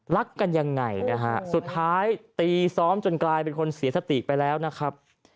รักกันยังไงนะฮะสุดท้ายตีซ้อมจนกลายเป็นคนเสียสติไปแล้วนะครับ